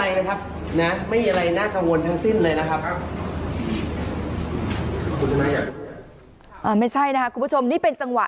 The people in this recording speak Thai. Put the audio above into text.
วันนี้ตี๑แล้วปวงนี้มีงานเช้า